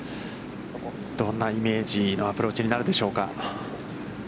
どんなイメージのアプローチになるでしょうか。